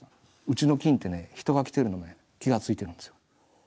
うちの菌ってね人が来てるのね気が付いてるんですよ。